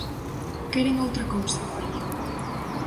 ¡Queren outra cousa!